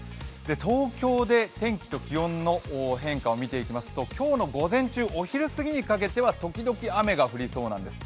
東京で天気と気温の変化を見ていきますと今日の午前中お昼過ぎにかけてはときどき雨が降りそうなんです。